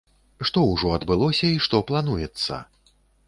Што ўжо адбылося і што плануецца?